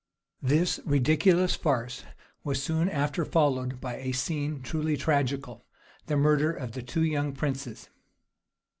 This ridiculous force was soon after followed by a scene truly tragical; the murder of the two young princes.